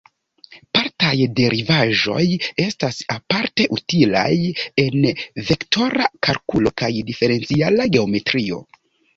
Partaj derivaĵoj estas aparte utilaj en vektora kalkulo kaj diferenciala geometrio.